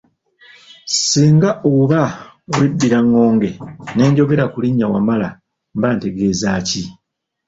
Singa oba weddira ngonge n'enjogera ku linnya Wamala mba ntegeeza ki?